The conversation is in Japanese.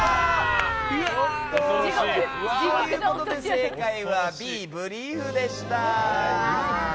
正解はＢ、ブリーフでした。